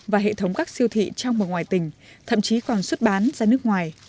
và hệ thống các siêu thị trong và ngoài tỉnh thậm chí còn xuất bán ra nước ngoài